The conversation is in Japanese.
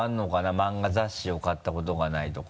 マンガ雑誌を買ったことがないとか。